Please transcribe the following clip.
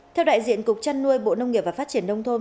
theo đại diện cục trăn nuôi bộ nông nghiệp và phát triển đông thôn